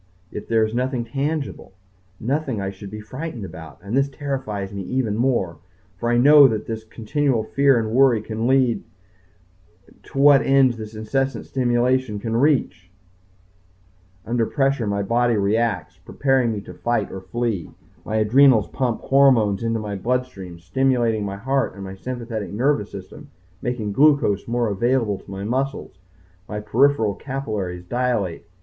Yet there is nothing tangible nothing I should be frightened about, and this terrifies me even more. For I know where this continual fear and worry can lead to what ends this incessant stimulation can reach. Under pressure my body reacts, preparing me to fight or flee. My adrenals pump hormones into my bloodstream, stimulating my heart and my sympathetic nervous system, making glucose more available to my muscles. My peripheral capillaries dilate.